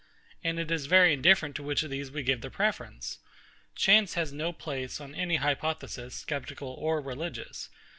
And it is very indifferent to which of these we give the preference. Chance has no place, on any hypothesis, sceptical or religious.